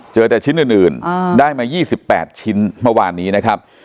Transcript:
เจอแต่ชิ้นอื่นอื่นอ่าได้มายี่สิบแปดชิ้นเมื่อวานนี้นะครับ